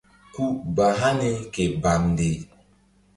Ku ba hani ke bamnde.